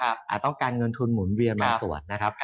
อาจต้องการเงินทุนหมุนเรียนมาตรวจนะครับ